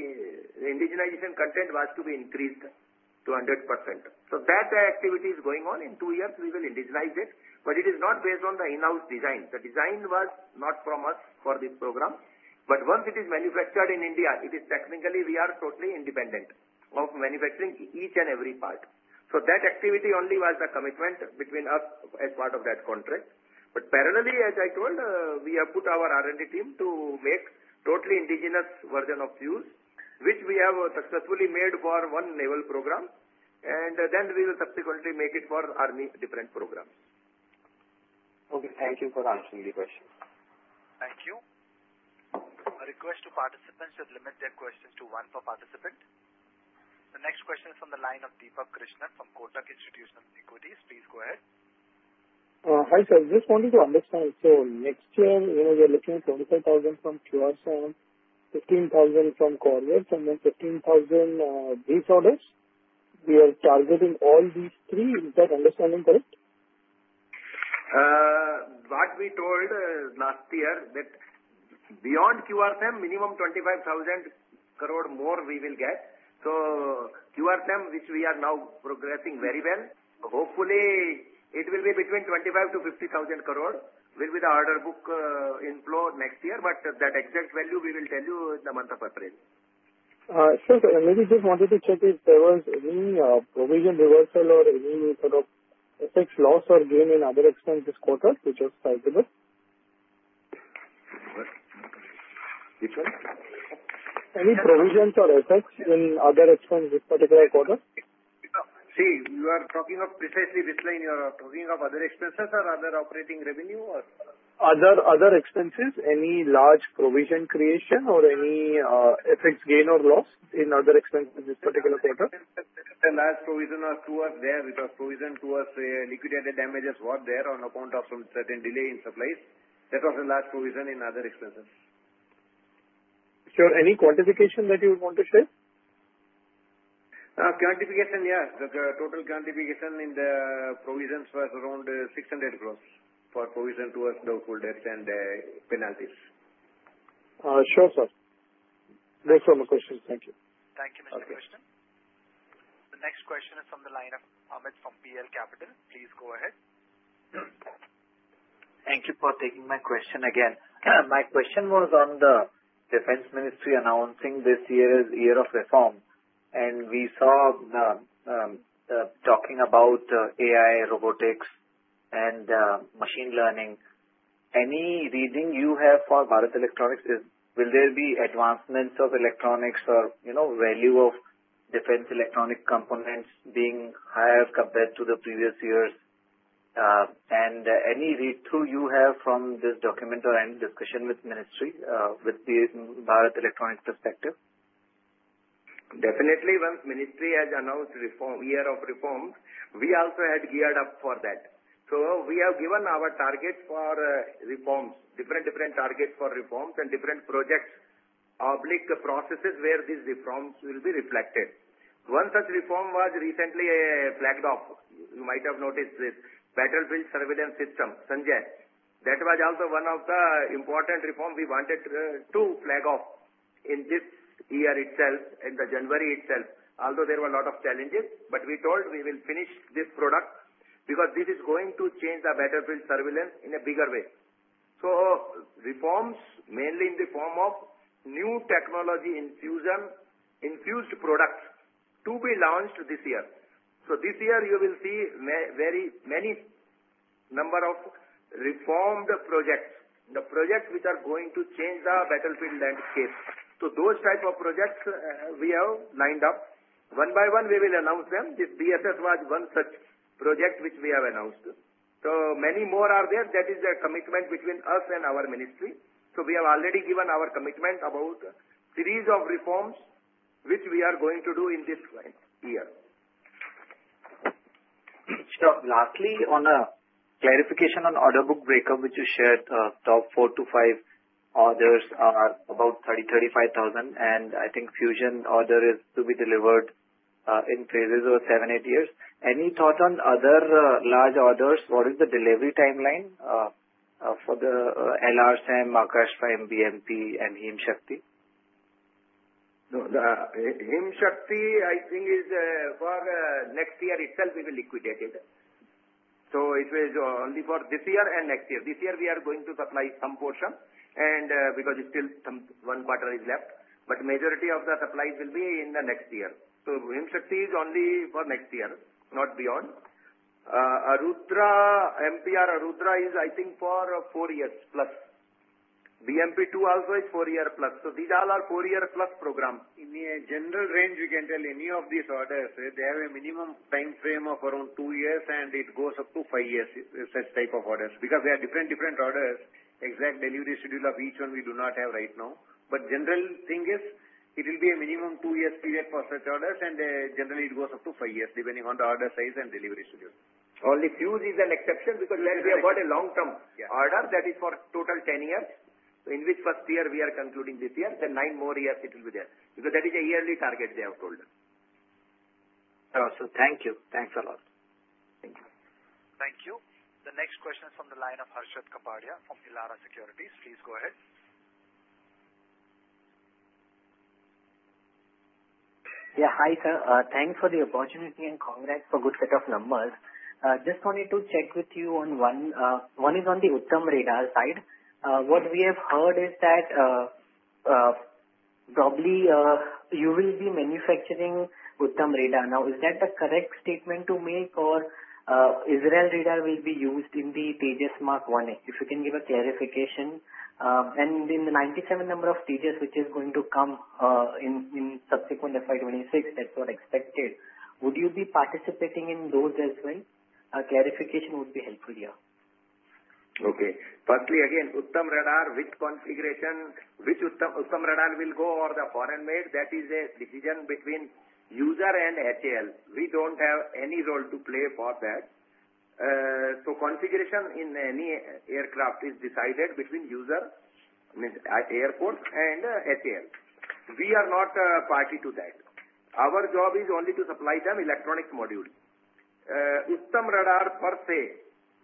S1: indigenization content was to be increased to 100%. So that activity is going on. In two years, we will indigenize it. But it is not based on the in-house design. The design was not from us for this program. But once it is manufactured in India, it is technically we are totally independent of manufacturing each and every part. So that activity only was the commitment between us as part of that contract. But parallelly, as I told, we have put our R&D team to make totally indigenous version of fuse, which we have successfully made for one naval program. And then we will subsequently make it for army different programs.
S13: Okay. Thank you for answering the question.
S3: Thank you. A request to participants to limit their questions to one per participant. The next question is from the line of Deepak Krishnan from Kotak Institutional Equities. Please go ahead.
S14: Hi sir. Just wanted to understand. So next year, we are looking at 25,000 from QRSAM, 15,000 from Corvette, and then 15,000 base orders. We are targeting all these three. Is that understanding correct?
S1: What we told last year that beyond QRSAM, minimum 25,000 crore more we will get, so QRSAM, which we are now progressing very well, hopefully it will be between 25,000-50,000 crore will be the order book inflow next year, but that exact value we will tell you in the month of April.
S14: Sir, maybe just wanted to check if there was any provision reversal or any sort of forex loss or gain in other expense this quarter which was sizable? Any provisions or effects in other expenses this particular quarter?
S1: See, you are talking of precisely this line. You are talking of other expenses or other operating revenue or?
S14: Other expenses. Any large provision creation or any forex gain or loss in other expenses this particular quarter?
S1: The last provision of two was there. It was provision towards liquidated damages were there on account of some certain delay in supplies. That was the last provision in other expenses.
S14: Sir, any quantification that you would want to share?
S1: Quantification, yeah. The total quantification in the provisions was around 600 crores for provision to us, the full debts and penalties.
S14: Sure, sir. No further questions. Thank you.
S3: Thank you, Mr. Krishnan. The next question is from the line of Aman from BL Capital. Please go ahead.
S15: Thank you for taking my question again. My question was on the Ministry of Defence announcing this year as year of reform. And we saw talking about AI, robotics, and machine learning. Any reading you have for Bharat Electronics is will there be advancements of electronics or value of defense electronic components being higher compared to the previous years? And any read-through you have from this document or any discussion with ministry with Bharat Electronics perspective?
S1: Definitely, once ministry has announced year of reform, we also had geared up for that. So we have given our targets for reforms, different targets for reforms and different projects, public processes where these reforms will be reflected. One such reform was recently flagged off. You might have noticed this, battlefield surveillance system, Sanjay. That was also one of the important reforms we wanted to flag off in this year itself, in January itself. Although there were a lot of challenges, but we told we will finish this product because this is going to change the battlefield surveillance in a bigger way. So reforms mainly in the form of new technology infused products to be launched this year. So this year, you will see very many number of reformed projects, the projects which are going to change the battlefield landscape. So those type of projects we have lined up. One by one, we will announce them. BSS was one such project which we have announced. So many more are there. That is a commitment between us and our ministry. So we have already given our commitment about a series of reforms which we are going to do in this year.
S15: Sir, lastly, on a clarification on order book breakup which you shared, top 4-5 orders are about 30,000-35,000, and I think Fuzes order is to be delivered in phases over 7-8 years. Any thought on other large orders? What is the delivery timeline for the LRSAM, Akash Prime, BMP, and Himshakti?
S1: Himshakti, I think, is for next year itself. We will liquidate it. So it was only for this year and next year. This year, we are going to supply some portion because still one quarter is left. But majority of the supplies will be in the next year. So Himshakti is only for next year, not beyond. Arudra, MPR Arudra is, I think, for four years plus. BMP-2 also is four years plus. So these all are four years plus programs. In a general range, we can tell any of these orders. They have a minimum time frame of around two years, and it goes up to five years such type of orders. Because we have different orders, exact delivery schedule of each one we do not have right now, but general thing is it will be a minimum two years period for such orders, and generally, it goes up to five years depending on the order size and delivery schedule. Only fuse is an exception because we have got a long-term order that is for total 10 years. In which first year we are concluding this year, then nine more years it will be there. Because that is a yearly target they have told us.
S15: Awesome. Thank you. Thanks a lot. Thank you.
S3: Thank you. The next question is from the line of Harshit Kapadia from Elara Securities. Please go ahead.
S16: Yeah. Hi sir. Thanks for the opportunity and congrats for good set of numbers. Just wanted to check with you on one. One is on the Uttam Radar side. What we have heard is that probably you will be manufacturing Uttam Radar. Now, is that the correct statement to make or Israel Radar will be used in the Tejas Mark 1A? If you can give a clarification. And in the 97 number of Tejas which is going to come in subsequent FY26, that's what expected. Would you be participating in those as well? A clarification would be helpful here.
S1: Okay. Firstly, again, Uttam Radar which configuration, which Uttam Radar will go or the foreign-made, that is a decision between user and HAL. We don't have any role to play for that. So configuration in any aircraft is decided between user, means Air Force, and HAL. We are not a party to that. Our job is only to supply them electronic modules. Uttam Radar per se,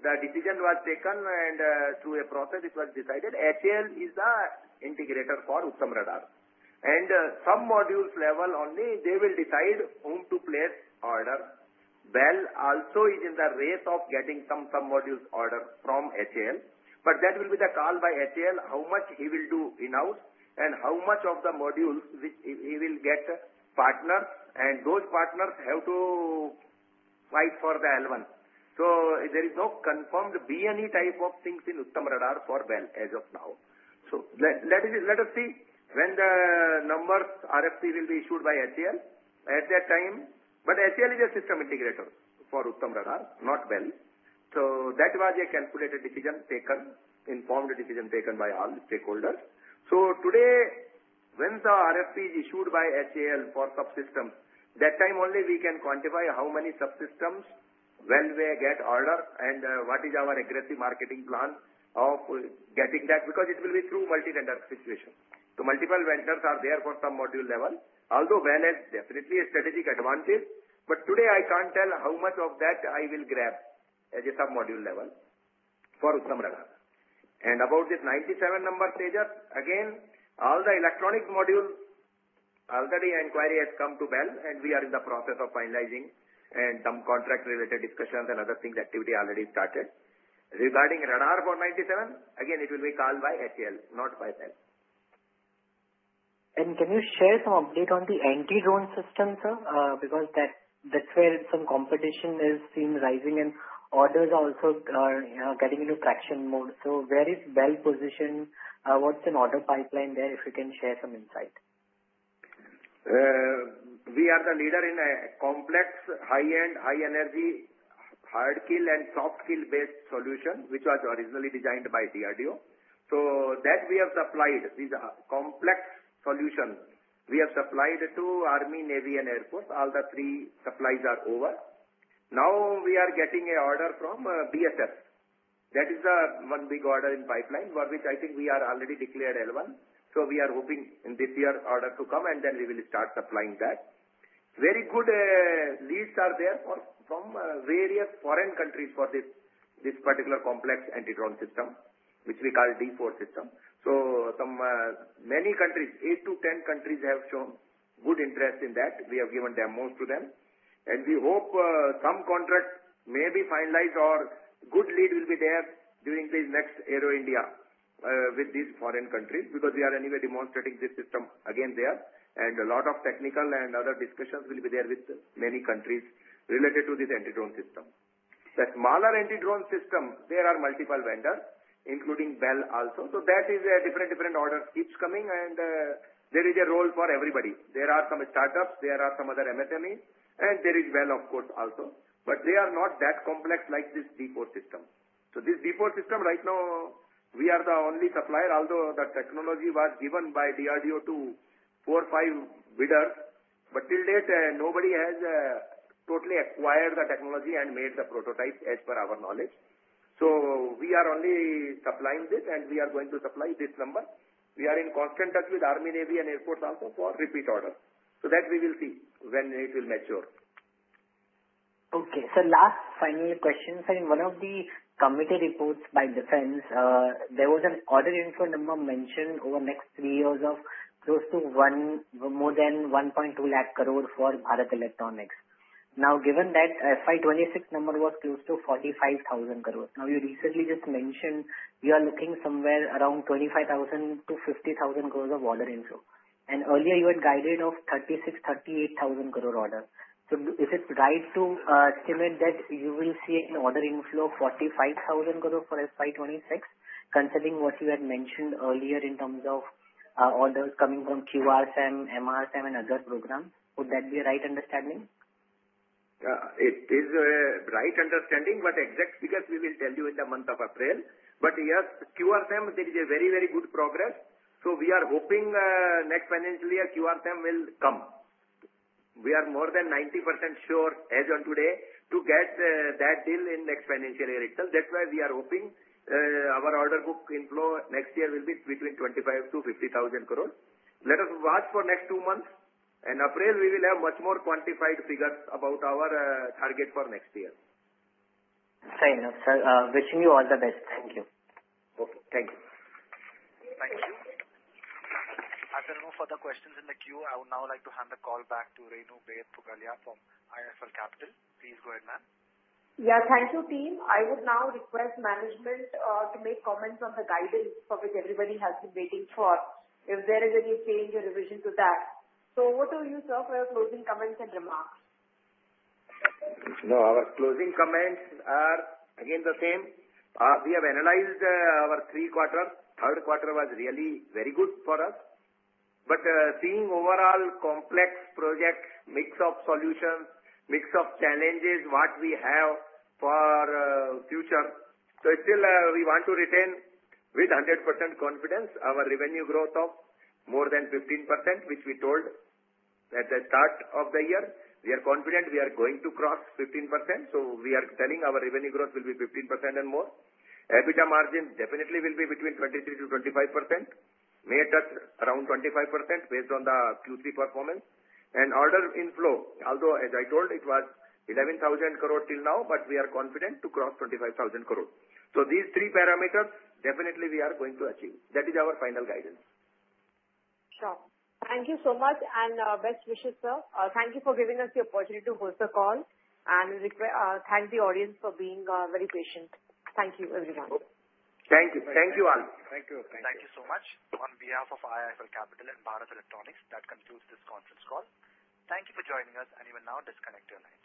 S1: the decision was taken and through a process it was decided HAL is the integrator for Uttam Radar. And some modules level only, they will decide whom to place order. BEL also is in the race of getting some modules order from HAL. But that will be the call by HAL how much he will do in-house and how much of the modules he will get partners. And those partners have to fight for the L1. So there is no confirmed order type of things in Uttam Radar for BEL as of now. So let us see when the nominated RFP will be issued by HAL at that time. But HAL is a system integrator for Uttam Radar, not BEL. So that was a calculated decision taken, informed decision taken by all stakeholders. So today, when the RFP is issued by HAL for subsystems, that time only we can quantify how many subsystems will we get order and what is our aggressive marketing plan of getting that. Because it will be through multi-vendor situation. So multiple vendors are there for some module level. Although BEL has definitely a strategic advantage. But today, I can't tell how much of that I will grab as a submodule level for Uttam Radar. And about this 97 number Tejas, again, all the electronic modules, already inquiry has come to BEL. We are in the process of finalizing and some contract-related discussions and other things. Activity already started. Regarding radar for 97, again, it will be called by HAL, not by BEL.
S16: Can you share some update on the anti-drone system, sir? Because that's where some competition is seen rising and orders are also getting into traction mode. So where is BEL positioned? What's an order pipeline there if you can share some insight?
S1: We are the leader in a complex high-end, high-energy, hard-kill and soft-kill-based solution which was originally designed by DRDO. So that we have supplied. These are complex solutions. We have supplied to Army, Navy, and Air Force. All the three supplies are over. Now we are getting an order from BSF. That is one big order in pipeline for which I think we are already declared L1. So we are hoping in this year order to come and then we will start supplying that. Very good leads are there from various foreign countries for this particular complex anti-drone system which we call D4 system. So many countries, eight to 10 countries have shown good interest in that. We have given demos to them. And we hope some contract may be finalized or good lead will be there during this next Aero India with these foreign countries. Because we are anyway demonstrating this system again there. And a lot of technical and other discussions will be there with many countries related to this anti-drone system. That smaller anti-drone system, there are multiple vendors including BEL also. So that is a different order keeps coming and there is a role for everybody. There are some startups, there are some other MSMEs, and there is BEL, of course, also. But they are not that complex like this D4 system. So this D4 system right now, we are the only supplier. Although the technology was given by DRDO to four, five bidders, but till date, nobody has totally acquired the technology and made the prototype as per our knowledge. So we are only supplying this and we are going to supply this number. We are in constant touch with Army, Navy, and Air Force also for repeat order. So that we will see when it will mature.
S10: Okay. So last final question. In one of the committee reports by Defense, there was an order inflow number mentioned over next three years of close to more than 1.2 lakh crore for Bharat Electronics. Now, given that FY26 number was close to 45,000 crore. Now, you recently just mentioned you are looking somewhere around 25,000 crore-50,000 crore of order inflow. And earlier, you had guided of 36,000-38,000 crore order. So is it right to estimate that you will see an order inflow of 45,000 crore for FY26 considering what you had mentioned earlier in terms of orders coming from QRSAM, MRSAM, and other programs? Would that be a right understanding?
S1: It is a right understanding. But exact figures we will tell you in the month of April. But yes, QRSAM, there is a very, very good progress. So we are hoping next financial year QRSAM will come. We are more than 90% sure as of today to get that deal in next financial year itself. That's why we are hoping our order book inflow next year will be between 25,000-50,000 crore. Let us watch for next two months. And April, we will have much more quantified figures about our target for next year.
S10: Fine now, sir. Wishing you all the best. Thank you.
S1: Okay. Thank you.
S3: Thank you. If there are no further questions in the queue, I would now like to hand the call back to Renu Baid Pugalia from IIFL Securities. Please go ahead, ma'am.
S2: Yeah. Thank you, team. I would now request management to make comments on the guidance for which everybody has been waiting for, if there is any change or revision to that. So, what are your closing comments and remarks, sir?
S1: No. Our closing comments are again the same. We have analyzed our three quarters. Third quarter was really very good for us. But seeing overall complex projects, mix of solutions, mix of challenges what we have for future. So still, we want to retain with 100% confidence our revenue growth of more than 15%, which we told at the start of the year. We are confident we are going to cross 15%. So we are telling our revenue growth will be 15% and more. EBITDA margin definitely will be between 23%-25%. May touch around 25% based on the Q3 performance. And order inflow, although as I told, it was 11,000 crore till now, but we are confident to cross 25,000 crore. So these three parameters definitely we are going to achieve. That is our final guidance.
S2: Sure. Thank you so much and best wishes, sir. Thank you for giving us the opportunity to host the call and thank the audience for being very patient. Thank you, everyone.
S1: Thank you. Thank you all.
S3: Thank you. Thank you. Thank you so much. On behalf of IIFL Securities and Bharat Electronics, that concludes this conference call. Thank you for joining us, and you will now disconnect your lines.